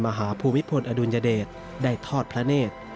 ภูมิพลอดุลยเดชได้ทอดพระเนธ